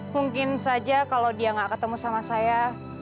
mungkin saja kalau dia nggak ketemu sama saya